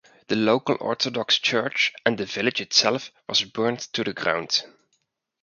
The local Orthodox church and the village itself was burned to the ground.